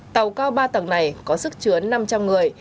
tàu cao ba tầng này có sức chứa năm trăm linh người